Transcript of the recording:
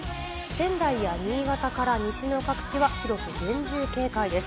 仙台や新潟から西の各地は広く厳重警戒です。